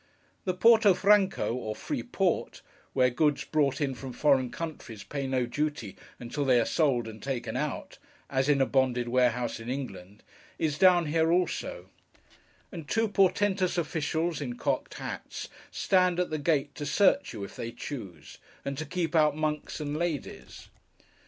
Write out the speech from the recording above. The Porto Franco, or Free Port (where goods brought in from foreign countries pay no duty until they are sold and taken out, as in a bonded warehouse in England), is down here also; and two portentous officials, in cocked hats, stand at the gate to search you if they choose, and to keep out Monks and Ladies.